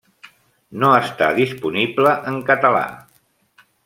No està disponible en català.